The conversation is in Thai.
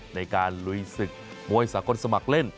ในการลุยศึกมวยสากลสมัครเล่น